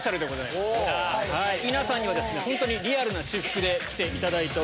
皆さんにはリアルな私服で来ていただいております。